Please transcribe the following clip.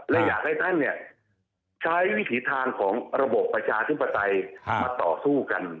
และอยากให้ท่านใช้วิถีทางของระบบประชาธิปไตยมาต่อสู้กัน